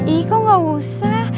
ih kok gak usah